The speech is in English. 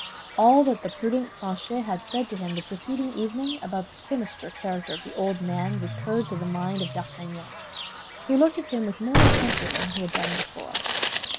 All that the prudent Planchet had said to him the preceding evening about the sinister character of the old man recurred to the mind of D'Artagnan, who looked at him with more attention than he had done before.